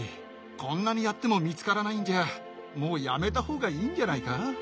こんなにやっても見つからないんじゃもうやめた方がいいんじゃないか？